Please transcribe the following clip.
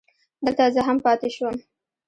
دلته زه هم پاتې شوم.